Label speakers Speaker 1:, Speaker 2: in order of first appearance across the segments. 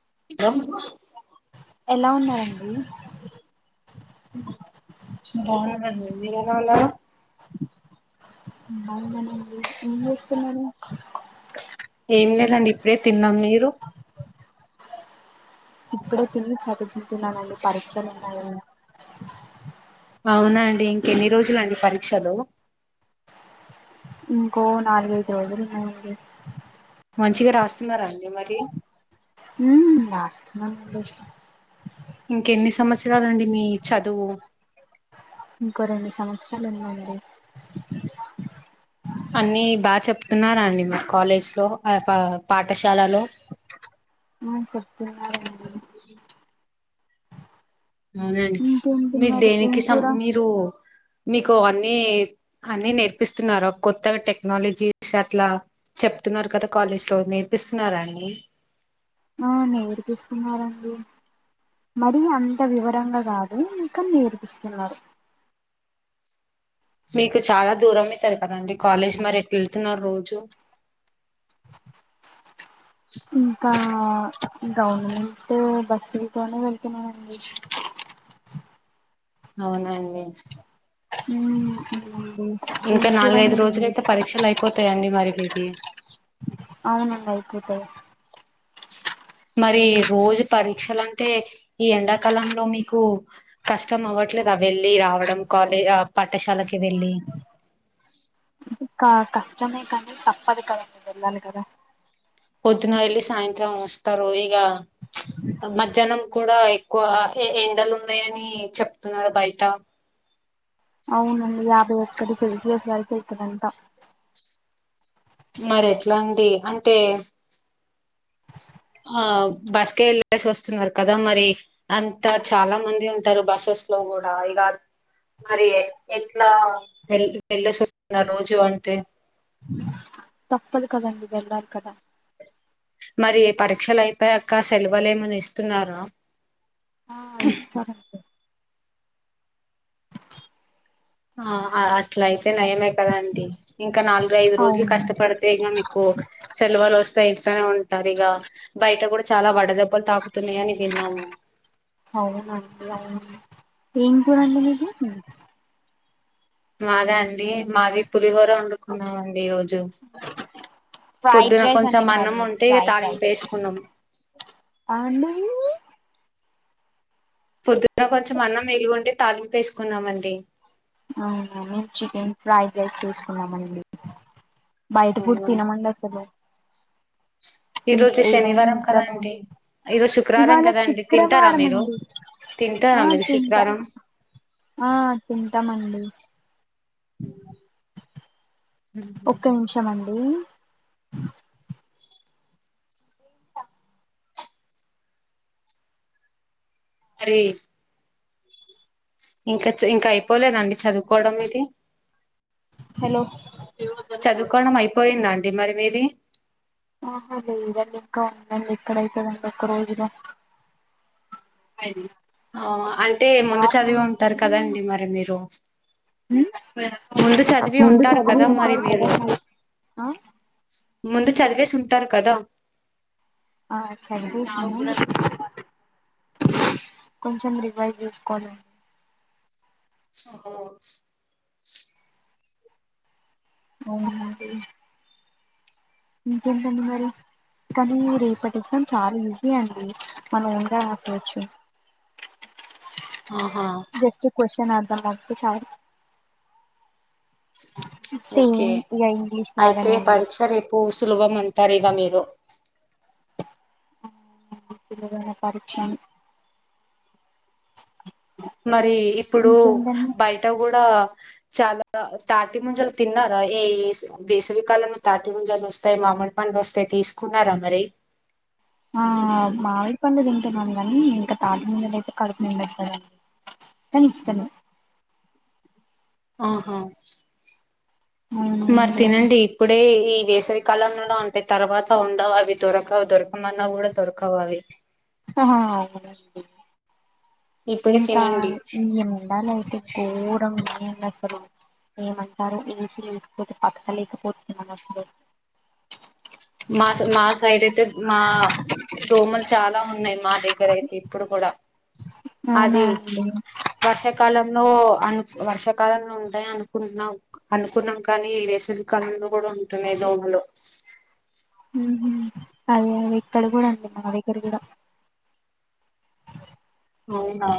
Speaker 1: [inaudible]
Speaker 2: ఎలా ఉన్నారండి
Speaker 1: [inaudible]
Speaker 2: బావున్నానండి ఏం చేస్తున్నారు
Speaker 1: ఏం లేదండి ఇప్పుడే తిన్నాం మీరు
Speaker 2: ఇప్పుడై తి చదువుతున్నానండి పరీక్షలు ఉన్నాయ
Speaker 1: అవునా అండి ఇంకెన్ని రోజుల అండి పరీక్షలు
Speaker 2: ఇంకో నాలుగైదు రోజులుఉన్నాయండి
Speaker 1: మంచిగా రాస్తున్నారా అండి మరి
Speaker 2: ఉ లాస్ట్ [inaudible]
Speaker 1: ఇంకెన్ని సంవత్సరాలు అండి మీ చదువు
Speaker 2: ఇంకో రెండు సంవత్సరాలు ఉన్నాయండి
Speaker 1: అన్ని బాగా చెప్తున్నారా అండి మా కాలేజ్ లో అ పాఠశాలలో
Speaker 2: ఆ చెప్ప [unintelligible]
Speaker 1: అవునండి
Speaker 2: ఇంకేంటి
Speaker 1: మీరు
Speaker 2: మరి ఏం
Speaker 1: దేనికి స
Speaker 2: కూర
Speaker 1: మీరు మీకు అన్ని, అన్ని నేర్పిస్తున్నారు కొత్తగా టెక్నాలజీస్ అట్లా చెప్తున్నారు కదా కాలేజ్ లో నేర్పిస్తున్నార అన్ని
Speaker 2: ఆ నేర్పిస్తున్నారండి మరి అంత వివరంగా కాదు ఇంకా నేర్పిస్తున్నారు
Speaker 1: మీకు చాలా దూరం అవుతారు కదండి కాలేజీ మరి ఎట్లా వెళ్తున్నారు రోజు
Speaker 2: ఇంకా గవర్నమెంట్ బస్సులతోనే వెళ్తున్నానండి
Speaker 1: అవునండి
Speaker 2: మ్ ఎం
Speaker 1: ఇంకా
Speaker 2: కూర అండి
Speaker 1: నాలుగైదు
Speaker 2: మీది
Speaker 1: రోజులయితే పరీక్షలు అయిపోతాయండి మరి మీవి
Speaker 2: అవునాంగా ఐపోత
Speaker 1: మరి రోజు పరీక్షలుంటే, ఈ ఎండాకాలంలో మీకు కష్టం అవ్వట్లేదా వెళ్ళి రావడం కాలేజ్ అ పాఠశాలకి వెళ్ళి
Speaker 2: అ కష్టమే కానీ తప్పదు కదండి వెళ్ళాలి కదా
Speaker 1: పొద్దున్న ఏళ్లి సాయంత్రం వస్తారు ఈగ మధ్యాహ్నం కూడా ఎక్కువ ఎండలు ఉన్నాయని చెప్తున్నారు బయట
Speaker 2: అవునుండి యాభై ఒక్కటి సెల్సియస్ వరకు ఎతు అంట
Speaker 1: మరి ఎట్లా అండి అంటే ఆ బస్కే వెళ్ళేసి వస్తున్నారు కదా మరి అంతా చాలా మంది ఉంటారు బస్సెస్ లో కూడా ఇగాద్ మరి ఎట్లా వెల్ వెళ్ళేసి [inaudible] న్నా రోజు అంటే
Speaker 2: తప్పదు కదండి వెళ్ళాలి కదా
Speaker 1: మరి పరీక్షలు అయిపోయాక సెలవలేమన ఇస్తున్నార
Speaker 2: ఆ ఇస్తర అండి
Speaker 1: ఆ [inaudible] అట్లయితే నయమే కదా ఆంటీ ఇంకా నాలుగు ఐదు రోజులు
Speaker 2: అవునండి
Speaker 1: కష్టపడితే ఇగ మీకు సెలవులు వస్తాయి ఇంట్లనే ఉంటరు ఇగ బయట కూడా చాలా వడదె దెబ్బలు తాకుతున్నాయని విన్నాము.
Speaker 2: అవునండి అవును ఏం కూర అండిన్రు మీరు
Speaker 1: మాదా అండి మాది పు పులిహోర వండుకున్నామండి ఈరోజు
Speaker 2: ఫ్రై
Speaker 1: పొద్దున కొంచెం అన్నం
Speaker 2: మాది
Speaker 1: ఉంటే ఇగ
Speaker 2: ఫ్రైడ్
Speaker 1: తాలింపు
Speaker 2: రైస్
Speaker 1: వేసుకున్నాం.
Speaker 2: అండి
Speaker 1: పొద్దున్న కొంచెం అన్నం మిగిలి ఉంటే తాలింపేసుకున్నామండి.
Speaker 2: అవునా మేం చికెన్ ఫ్రైడ్ రైస్ చేస్కున్నామండి. బైట ఫుడ్ తినమండి అసలు
Speaker 1: ఈ రోజు
Speaker 2: ఏదైనా
Speaker 1: శనివారం కదా
Speaker 2: ఇంట్లోనే
Speaker 1: అండి ఈరోజు శుక్రవారం
Speaker 2: ఇవాళ
Speaker 1: కదా అండి తింటరా
Speaker 2: శుక్రవారం
Speaker 1: మీరు
Speaker 2: అండి
Speaker 1: తింటరా
Speaker 2: ఆ
Speaker 1: మీరు
Speaker 2: తింటా
Speaker 1: శుక్రవారం.
Speaker 2: ఆ తింటామండి.
Speaker 1: ఉ
Speaker 2: ఒక్క నిమిషం అండి.
Speaker 1: అరే ఇంకా ఇంకా అయిపోలేదండి చదువుకోవడం మీది
Speaker 2: హలో
Speaker 1: డి మరి మీది
Speaker 2: ఆహ లేదండి ఇంకా ఉందండి ఎక్కడైతదండి ఒక్క రోజుల
Speaker 1: ఆ అంటే ముందు చదివి ఉంటారు కదండి మరి మీరు ముందు చదివి
Speaker 2: ముందు
Speaker 1: ఉంటారు
Speaker 2: చదివి
Speaker 1: కదా మరి
Speaker 2: ఉంటారు కదా
Speaker 1: మీరు
Speaker 2: మరి ఆ
Speaker 1: ముందు చదివేసుంటారు కదా
Speaker 2: ఆ చదివినాను. కొంచెం రివైజ్ చేసుకోవాలేదు.
Speaker 1: ఓ
Speaker 2: అవునా ఇంకేంటండి మరి కానీ రేపటి ఎగ్జామ్ చాలా ఈజీ అండి మనం ఓన్గా రాసియచ్చు.
Speaker 1: ఆహా
Speaker 2: జస్ట్ క్వశ్చన్ ఆ [inaudible]
Speaker 1: ఓకే
Speaker 2: ఇంగ్లీష్
Speaker 1: అయితే
Speaker 2: లాగానే అండి
Speaker 1: పరీక్ష రేపు సులభం అంటారు ఇగ మీరు
Speaker 2: చిదైన పరీక్షన్
Speaker 1: మరి ఇప్పుడు
Speaker 2: ఇంకేంటండి
Speaker 1: బయట గుడా చాలా తాటి ముంజలు తిన్నరా ఈ వేసవికాలంలో తాటి ముంజాలు వస్తాయి మామిడి పండ్లు వస్తాయి తీసుకున్నారా మరి
Speaker 2: ఆ మామి పండు తింటున్నాను కానీ ఇంకా తాటి ముంజలు అయితే కడుపు నిండా తినలేం కానీ ఇష్టమే
Speaker 1: ఆహా మరి
Speaker 2: అవునండి
Speaker 1: తినండి ఇప్పుడే ఈ వేసవికాలంలోనే ఉంటాయి తర్వాత ఉండవు. అవి దొరకవు దొరకమన్న గుడా దొరకవు అవి
Speaker 2: [inaudible]
Speaker 1: ఇప్పుడే
Speaker 2: ఇంకా
Speaker 1: తినండి
Speaker 2: ఈ ముండాల అయితే ఘోరం ఏం చేస్తారో ఏమంటారో ఏనర్జీ లేకపోతే బ తకలేకపోతున్నాను అసలు
Speaker 1: మా మా సైడ్ అయితే మా దోమలు చాలా ఉన్నాయి మా దగ్గర అయితే ఇప్పుడు కూడా
Speaker 2: అవునా
Speaker 1: అది
Speaker 2: అండి
Speaker 1: వర్షాకాల లో వర్షాకాలంలో ఉంటాయి అనుకుంటున్నాం అనుకున్నాం కానీ వేసవి కాలంలో కూడా ఉంటున్నాయి దోమలు
Speaker 2: ఉమ్ హు అదే అవి ఇక్కడ కూడా అండి మన దగ్గర కూడా
Speaker 1: అవునా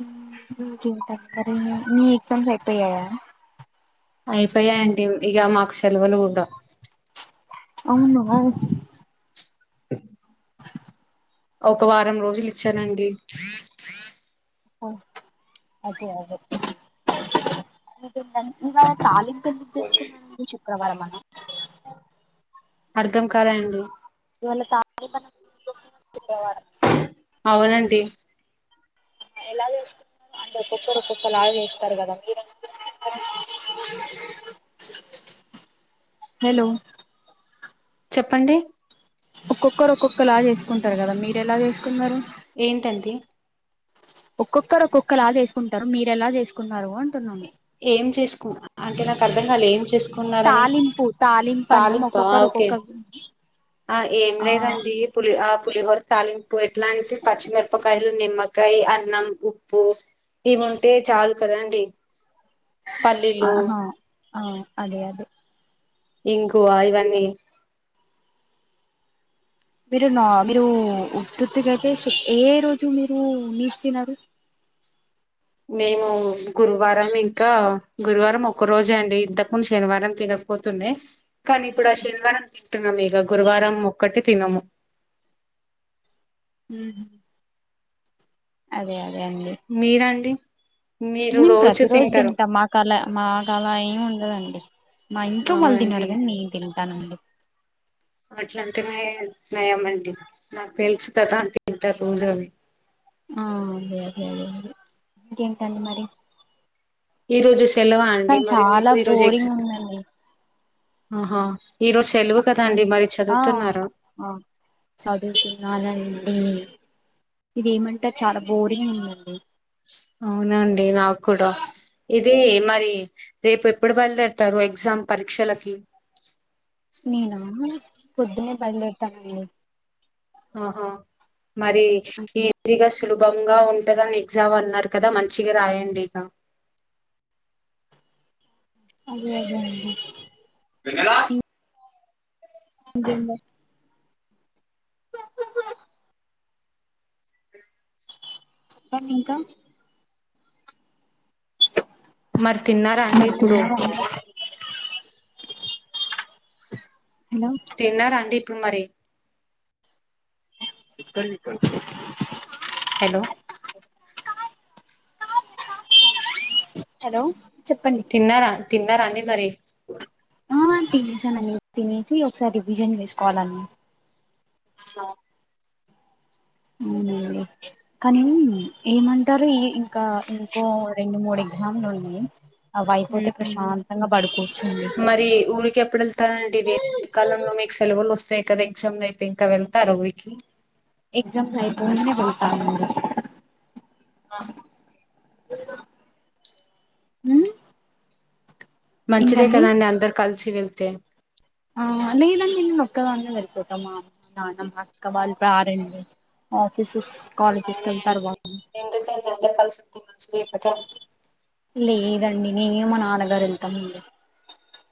Speaker 2: ఉమ్ ఈరోజుంటాయ్ మరి నీ ఎగ్జామ్స్ అయిపోయాయా
Speaker 1: అయిపోయాయి అండి ఇక మాకు సెలవులు ఉండవ్
Speaker 2: అవును
Speaker 1: [inaudible] ఒక వారం రోజులు ఇచ్చానండి
Speaker 2: ఓ అదే అదే ఇక ఇవాళ తాలింపు ఎందుకు చేసుకున్నారండి శుక్రవారం అన
Speaker 1: అర్థం కాలేదు అండి
Speaker 2: ఇవాళ తాలింపు ఎందుకు చెస్ శుక్రవారం
Speaker 1: అవునండి
Speaker 2: ఎలా జేస్తారు అంటే ఒక్కొకరు ఒక్కోలా జేస్తారు కదా అంటె మీరెలా జేస్తార హలో
Speaker 1: చెప్పండి
Speaker 2: ఒక్కొక్కరు ఒక్కొక్క లా జేస్తారు కదా మీరు ఎలా చేసుకున్నారు
Speaker 1: ఏంటండి
Speaker 2: ఒక్కొక్కరు ఒక్కొక్కరలా చేసుకుంటారు మీరెలా చేసుకున్నారు అంటున్నాను
Speaker 1: ఏం చేసుకు అంటే నాకు అర్ధం కాలే ఏం చేసుకున్నారని
Speaker 2: తాలింపు తాలింపు అన్నం
Speaker 1: తాలింప
Speaker 2: ఒక్కొక్కరు
Speaker 1: ఓకే
Speaker 2: ఒక్కొక్క
Speaker 1: ఆ ఏం
Speaker 2: ఆ
Speaker 1: లేదండి పులి ఆ పులిహోర తాలింప్ ఉప్పు ఎట్లాంటి పచ్చిమిరపకాయలు నిమ్మకాయ అన్నం ఉప్పు ఇవి ఉంటే చాలు కదండి పల్లీలు
Speaker 2: ఆహా అ అదే అదే
Speaker 1: ఇంగోవ అవన్నీ
Speaker 2: మీరు నా మీరు ఉత్తితీగాయితే ఏ రోజు మీరు నీస్ తినరు
Speaker 1: మేము గురువారం ఇంకా గురువారం ఒక్క రోజే అండి ఇంతకుందు శనివారం తినకపోతుండే కానీ ఇప్పుడు ఆ శనివారం తింటున్నాం ఇక గురువారం ఒక్కటి తినము
Speaker 2: ఉమ్ అదే అదే
Speaker 1: మీరండి మీరు
Speaker 2: నేను ప్రతి రోజు
Speaker 1: తింటారు
Speaker 2: తింటా మా కలా మా కలా ఏమి ఉండదండి [inaudible] మా ఇంట్లో మళ్ళీ
Speaker 1: అవునండి
Speaker 2: తిినరుగాని నేను తింటాను అండి
Speaker 1: అట్లాఅంటేనే నయమండి నాకు తెలుసు కదా అ తింట రోజ అవి
Speaker 2: ఆ అదే అదే ఇంకేంటండి మరి
Speaker 1: ఈరోజు స్కూ
Speaker 2: తను చాలా బోరింగ్ ఉందండి.
Speaker 1: ఆహా. ఈ రోజు సెలవు కదా
Speaker 2: అసల్
Speaker 1: అండి మరి
Speaker 2: ఆ
Speaker 1: చదువుతున్నారా
Speaker 2: చదువుతున్నానండి. ఏమంటే చాలా బోరింగ్ ఉండండి.
Speaker 1: అవునండి నాకు కూడా ఇది మరి రేపు ఎప్పుడు బయలుదేడతారు ఎగ్జామ్ పరీక్షలకి.
Speaker 2: నేన. పొద్దున్నే బయలుదేరుతామండి.
Speaker 1: ఆహా. మరి కీర్తికి అసలు. దొంగ ఉంటదని ఇచ్చామ్ అన్నారు కదా మంచిగా రాయండి ఇగా.
Speaker 2: అదే అదే. అ
Speaker 1: వెన్నెల.
Speaker 2: ఇంకేంబర్. చెప్పండి ఇంక
Speaker 1: మరి తిన్నారా అండి ఇప్పుడు.
Speaker 2: హలో
Speaker 1: తిన్నారా అండి. కు మరి.
Speaker 2: ఇక్కడ ఇక్కడ.
Speaker 1: హలో.
Speaker 2: హలో. చెప్పండి
Speaker 1: తిన్నారా తిన్నారా అండి ఇ మరెజ్
Speaker 2: ఆ తినేసనండి తినేసి ఒకసారి రివిజన్ చేసుకోవాలండి.
Speaker 1: అ.
Speaker 2: ఉమ్ కానీ ఏమంటారు ఈ ఇంకా ఇంకో రెండు మూడు ఎగ్జామ్ల ఉన్నాయి. అవి అయిపోతే
Speaker 1: హ్మ్
Speaker 2: ప్రశాంతంగా పడుకోవచ్చండి
Speaker 1: మరి ఊరికి ఎప్పుడు వెళ్తారండి వేసవి కాలంలో మీకు సెలవులు వస్తే. ఇంకా ఎగ్జామ్ లైతే వెళ్తారా ఇంక ఇంటికి.
Speaker 2: [inaudible]
Speaker 1: ఆ.
Speaker 2: ఉమ్
Speaker 1: మంచిదే
Speaker 2: ఏంటండి
Speaker 1: కదా అండి అందరు కల్ చీరల్ తే
Speaker 2: ఆ నేన్ అన్ని నిను ఒక్కదాన్నే వెళ్ళిపోతమ నానమ్మ అక్కవాళ్ళు రాలెదు ఆఫీస్సెస్ కి
Speaker 1: అవునండి ఎందుకంటే. కాలసుంటే మంచిదే కదా.
Speaker 2: లేదండి నేనే మా నాన్నగారు ఎల్తామ్ ఇంగ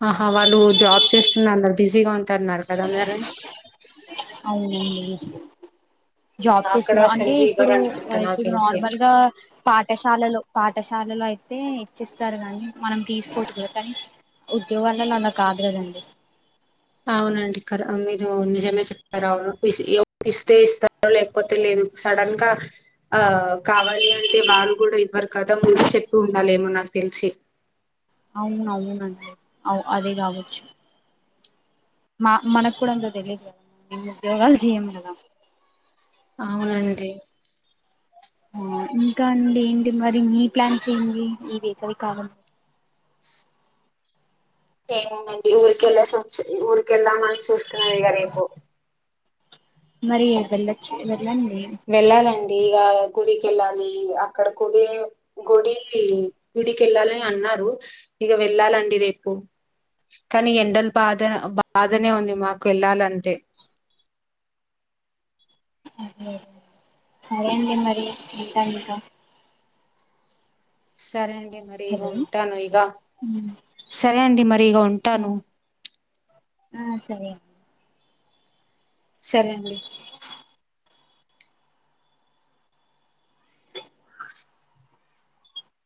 Speaker 1: ఆహా వాళ్ళు జాబ్ చేస్తున్నారు అందరు బిజీగా ఉం
Speaker 2: అవును అండి జాబ్
Speaker 1: అక్కడ
Speaker 2: చేస్తున్నా అంటే
Speaker 1: సెలవు ఇవ్వరు
Speaker 2: ఇప్పుడు
Speaker 1: అనుకుంటా నాకు
Speaker 2: ఇప్పుడు
Speaker 1: తెలిసి
Speaker 2: నార్మల్ గా పాఠశాలలో పాట్ పాఠశాలలో అయితే ఇచ్చిస్తారు కానీ, మనం తీసుకోవచ్చు కూడా కానీ ఉద్యోగాలలో అలా కాదు కదండి.
Speaker 1: అవునండి కదా మీరు నిజమే చెప్తారు. అవును ఇస్తే ఇస్తారో లేకపోతే లేదు. సడన్ గా ఆ కావాలి అంటే వాళ్ళు కూడా ఇవ్వరు. కథ ముందు చెప్పి ఉండాలిమో నాకు తెలిసి
Speaker 2: అవును అవునండి అవు అదే కావచ్చు మా మనకు కూడా అంత తెలియదు ఉద్యోగాలు చేయం కదా
Speaker 1: అవునండి.
Speaker 2: ఆ ఇంకా అండి ఏంటి మరి మీ ప్లాన్స్ ఏంది ఈ వేసవి కాలం
Speaker 1: ఏముంది అండి ఊరికి వెళ్లే సొచ్చ ఊరికి వెళ్దాం అని చూస్తున్న నదిగా రేపు
Speaker 2: మరి వెళ్లొచ్చు కదా
Speaker 1: వెళ్లాలండి. ఇక గుడికి వెళ్ళాలి. అక్కడ గుడి గుడి గుడికి వెళ్ళాలి అని అన్నారు. ఇక వెళ్ళాలండి రేపు కానీ, ఎండల బాధ బాధనే ఉంది మాకు వెళ్ళాలంటే.
Speaker 2: సరే అండి మరి ఉంటా ఇంకా
Speaker 1: సరే అండి అండి మరి ఈ
Speaker 2: హలో
Speaker 1: ఉంటాను ఈగ
Speaker 2: ఉమ్,
Speaker 1: సరే అండి మరి ఈగ
Speaker 2: ఆ
Speaker 1: ఉంటాను.
Speaker 2: ఆ సరే
Speaker 1: సరే అండి